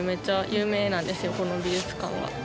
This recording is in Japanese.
この美術館は。